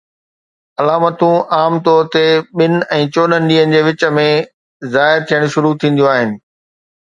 علامتون عام طور تي ٻن ۽ چوڏهن ڏينهن جي وچ ۾ ظاهر ٿيڻ شروع ٿينديون آهن